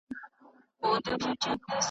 دا په کار ده بل توپان ته چي تیار یاست .